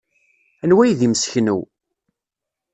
Anwa ay d imseknew?